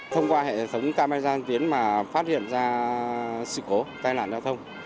thông qua hệ thống cao bài gian tiến mà phát hiện ra sự cố tai nạn giao thông